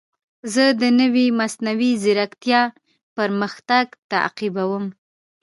زه د نوې مصنوعي ځیرکتیا پرمختګ تعقیبوم.